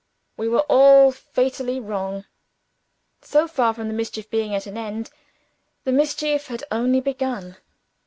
we were all fatally wrong. So far from the mischief being at an end, the mischief had only begun.